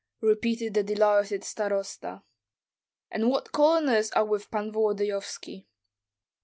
repeated the delighted starosta. "And what colonels are with Pan Volodyovski?"